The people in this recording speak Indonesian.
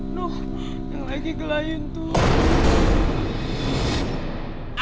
nuh yang lagi gelahin tuh